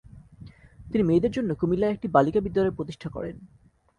তিনি মেয়েদের জন্য কুমিল্লায় একটি বালিকা বিদ্যালয় প্রতিষ্ঠা করেন।